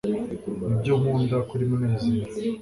nibyo nkunda kuri munezero